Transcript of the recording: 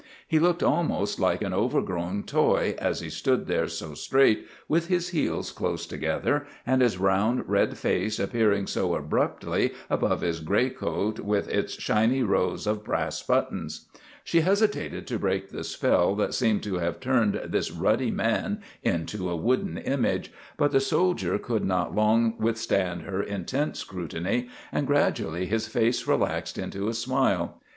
He looked almost like an overgrown toy as he stood there so straight with his heels close together and his round red face appearing so abruptly above his gray coat with its shiny rows of brass buttons. She hesitated to break the spell that seemed to have turned this ruddy man into a wooden image, but the soldier could not long withstand her intent scrutiny and gradually his face relaxed into a smile.